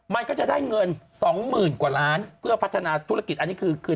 มันก็จะได้เงิน๒๐๐๐กว่าล้านเพื่อพัฒนาธุรกิจอันนี้คือคืน